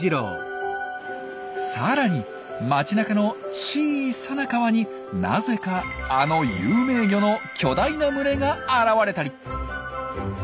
さらに街なかの小さな川になぜかあの有名魚の巨大な群れが現れたり。